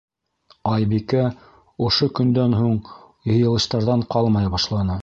Айбикә ошо көндән һуң йыйылыштарҙан ҡалмай башланы.